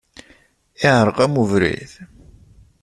Iεreq-am ubrid?